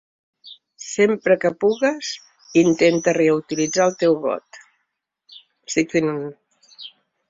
Sempre que pugues intenta reutilitzar el teu got.